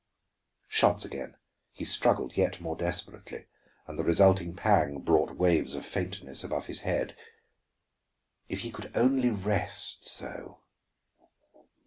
Shots again! He struggled yet more desperately, and the resulting pang brought waves of faintness above his head. If he could only rest, so.